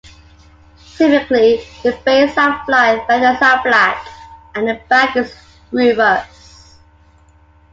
Typically, the face and flight feathers are black, and the back is rufous.